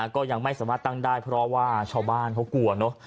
ก็ยังไม่สามารถตั้งได้เพราะว่าชาวบ้านเขากลัวเนอะ